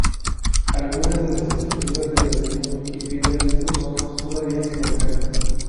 Algunas de las estructuras de ladrillo y piedra de estos hornos todavía se conservan.